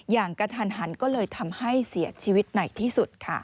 กระทันหันก็เลยทำให้เสียชีวิตไหนที่สุดค่ะ